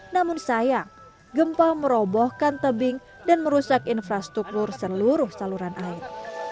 namun sayang gempa merobohkan tebing dan merusak infrastruktur seluruh saluran air